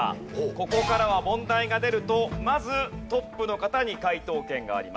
ここからは問題が出るとまずトップの方に解答権があります。